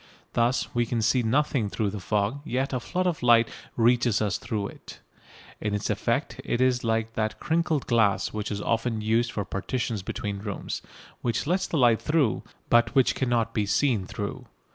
Thus we can see nothing through the fog, yet a flood of light reaches us through it. In its effect it is like that "crinkled" glass which is often used for partitions between rooms, which lets light through, but which cannot be seen through.